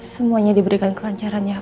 semuanya diberikan kelancarannya pak